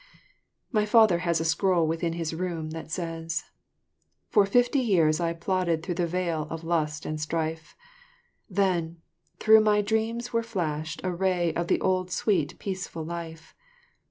My father has a scroll within his room that says: "For fifty years I plodded through the vale of lust and strife, Then through my dreams there flashed a ray of the old sweet peaceful life.